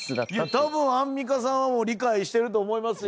たぶんアンミカさんは理解してると思いますよ。